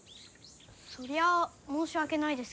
そりゃあ申し訳ないですけんど。